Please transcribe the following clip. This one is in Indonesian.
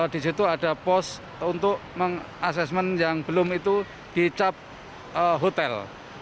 di situ ada pos untuk mengasesmen yang belum itu di cap hotel